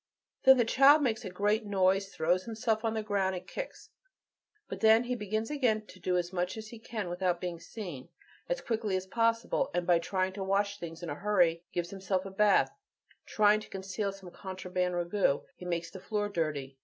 Then the child makes a great noise, throws himself on the ground, and kicks; but then he begins again to do as much as he can without being seen, as quickly as possible; and by trying to wash things in a hurry, gives himself a bath; trying to conceal some contraband ragout, he makes the floor dirty.